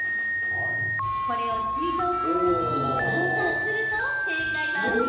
これを水道光熱費に換算すると正解は緑。